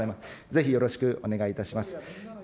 ぜひよろしくお願いいたします。